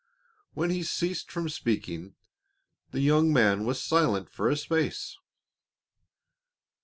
When he ceased from speaking, the young man was silent for a space.